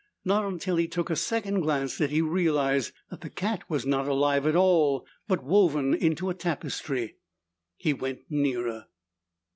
Not until he took a second glance did he realize that the cat was not alive at all, but woven into a tapestry. He went nearer.